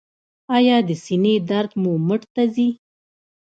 ایا د سینې درد مو مټ ته ځي؟